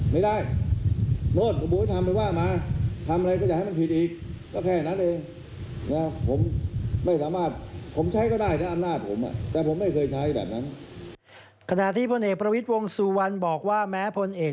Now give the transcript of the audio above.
ไม่ได้รอดทำเมื่อว่ามาทำอะไรก็จะให้มันผิดอีกก็แค่งั้นเอง